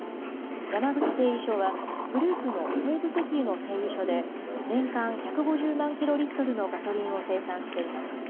山口製油所は、グループの西部石油の製油所で、年間１５０万キロリットルのガソリンを生産しています。